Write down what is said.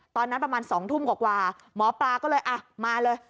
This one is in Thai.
ตอนนั้นประมาณ๒ทุ่มกว่าหมอปลาก็เลยมาเลย